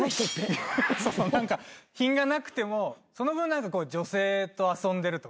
何か品がなくてもその分女性と遊んでるとか。